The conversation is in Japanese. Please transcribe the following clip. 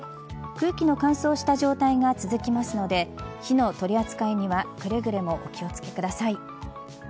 空気の乾燥した状態が続きますので火の取り扱いにはくれぐれもお気をつけください。